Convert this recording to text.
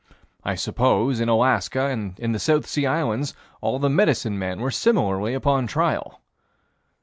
I suppose, in Alaska and in the South Sea Islands, all the medicine men were similarly upon trial.